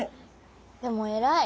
でもえらい！